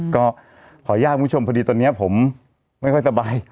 ก็ขออนุญาตคุณผู้ชมพอดีตอนนี้ผมไม่ค่อยสบาย